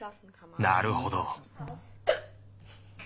「なるほど」。